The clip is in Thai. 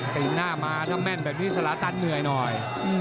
ถ้าแม่นแบบนี้ศาลตันเหนื่อยหน่อย